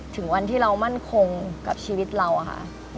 ถึงวันที่เรามั่นคงกับชีวิตเราอะค่ะ